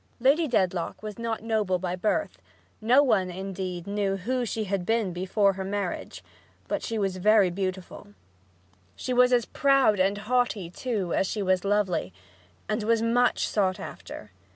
Lady Dedlock was not noble by birth no one, indeed, knew who she had been before her marriage but she was very beautiful. She was as proud and haughty, too, as she was lovely, and was much sought after.